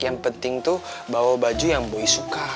yang penting tuh bawa baju yang buy suka